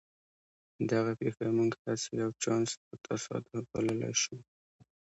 دغه پېښه موږ هسې یو چانس او تصادف بللای شو